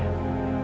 bapak yang nyuruh